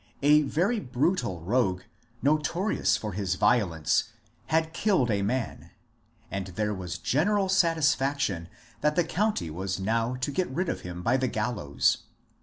A very brutal rogue, notorious for his violence, had killed a man, and there was general satisfaction that the county was now to get rid of him by the gallows.